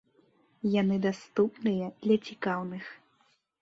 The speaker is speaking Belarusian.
Яны даступныя для цікаўных.